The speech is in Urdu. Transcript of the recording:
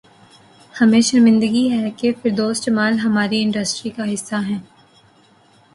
ہمیں شرمندگی ہے کہ فردوس جمال ہماری انڈسٹری کا حصہ ہیں